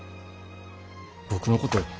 僕のこと。